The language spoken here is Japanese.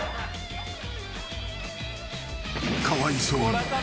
［かわいそうに。